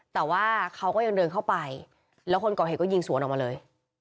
แต่ว่าเขาก็ยังเดินเข้าไปแล้วคนก่อเหตุก็ยิงสวนออกมาเลย